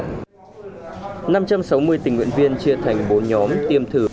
năm trăm sáu mươi tình nguyện viên chia thành bốn nhóm tiêm thử